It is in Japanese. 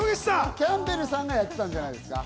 キャンベルさんがやってたんじゃないですか？